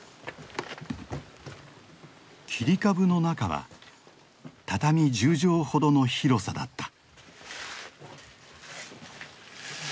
切り株の中は畳１０畳ほどの広さだった。